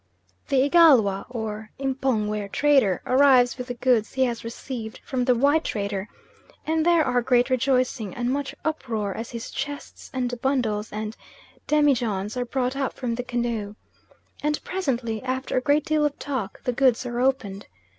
The Igalwa or M'pongwe trader arrives with the goods he has received from the white trader, and there are great rejoicing and much uproar as his chests and bundles and demijohns are brought up from the canoe. And presently, after a great deal of talk, the goods are opened.